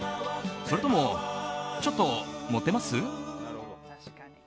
それとも、ちょっと盛ってます？